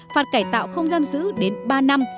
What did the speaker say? phạt cải tạo không giam giữ đến ba năm